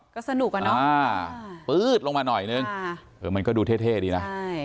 ก็สนุกอ่ะน้องปื๊บลงมาหน่อยนึงมันก็ดูเท่ดีนะ